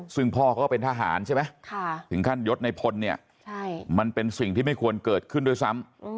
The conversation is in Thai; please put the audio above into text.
ซึ่งพ่อเขาก็เป็นทหารใช่ไหมถึงขั้นยดในพลเนี่ยมันเป็นสิ่งที่ไม่ควรเกิดขึ้นด้วยซ้ำ